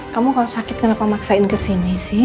kamu kalau sakit kenapa maksain ke sini sih